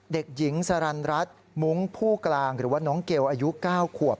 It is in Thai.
เด็กหญิงสรรณรัฐมุ้งผู้กลางหรือว่าน้องเกลอายุ๙ขวบ